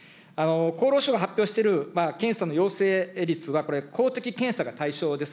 厚労省が発表している検査の陽性率は、これ、公的検査が対象です。